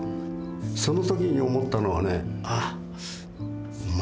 その時に思ったのはね